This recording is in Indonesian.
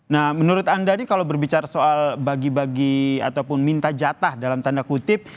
nah menurut anda nih kalau berbicara soal bagi bagi ataupun minta jatah dalam tanda kutip